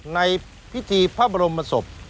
ในพิธีพระบรมศพ